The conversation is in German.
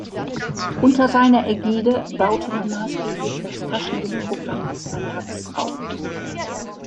Unter seiner Ägide baute man maßgeblich das Taschenbuch-Programm des Verlags auf.